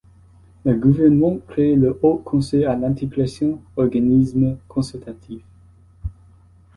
Le gouvernement crée le Haut Conseil à l'intégration, organisme consultatif.